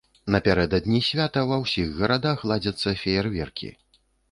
Напярэдадні свята ва ўсіх гарадах ладзяцца феерверкі.